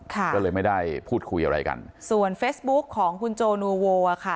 ค่ะก็เลยไม่ได้พูดคุยอะไรกันส่วนเฟสบุ๊คของคุณจอร์นวินยูอันนี้ค่ะ